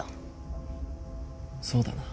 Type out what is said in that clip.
そうだな。